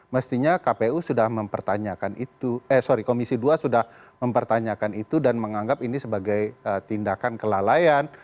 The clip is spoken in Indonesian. mestinya komisi dua sudah mempertanyakan itu dan menganggap ini sebagai tindakan kelalaian